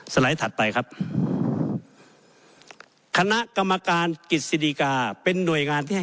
ไลด์ถัดไปครับคณะกรรมการกิจสิริกาเป็นหน่วยงานที่ให้